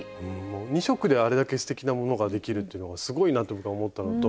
２色であれだけすてきなものができるっていうのがすごいなって僕は思ったのと。